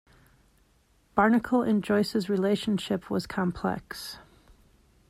Barnacle and Joyce's relationship was complex.